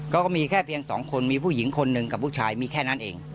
ก็มีแค่เพียงสองคนมีผู้หญิงคนหนึ่งกับผู้ชายมีแค่นั้นเอง